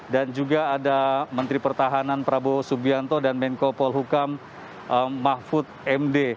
dan juga ada menteri pertahanan prabowo subianto dan menko polhukam mahfud md